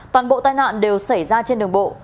toàn bộ tai nạn đều xảy ra trên đường bộ